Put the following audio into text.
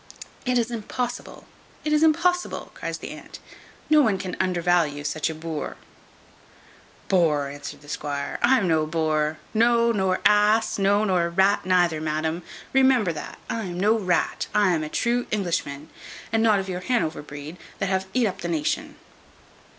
"It is impossible, it is impossible," cries the aunt; "no one can undervalue such a boor." "Boar," answered the squire, "I am no boar; no, nor ass; no, nor rat neither, madam. Remember that I am no rat. I am a true Englishman, and not of your Hanover breed, that have eat up the nation."